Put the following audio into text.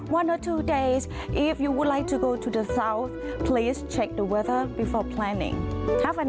๑๒วันถ้าคุณอยากไปที่ศาสตร์คุณต้องตรวจสอบเวลาก่อนที่ต้องการ